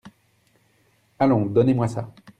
Allons ! donnez-moi ça !